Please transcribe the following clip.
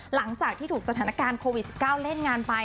หลังจากที่ถูกสถานการณ์โควิด๑๙เล่นงานไป